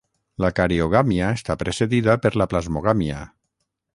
La cariogàmia està precedida per la plasmogàmia.